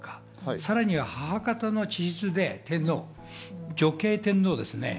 さらには母方の血筋で天皇、女系天皇ですよね。